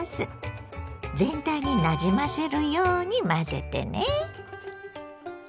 全体になじませるように混ぜてね。